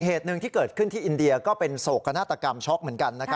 เหตุหนึ่งที่เกิดขึ้นที่อินเดียก็เป็นโศกนาฏกรรมช็อกเหมือนกัน